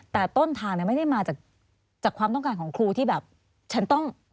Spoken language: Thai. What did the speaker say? แต่ต้นทางเนี่ยไม่ได้มาจากความต้องการของครูที่แบบ